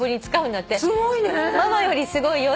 すごいね。